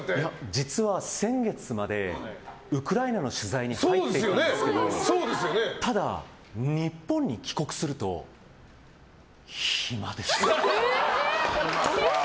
実は先月までウクライナの取材に入っていたんですけどただ、日本に帰国すると暇です。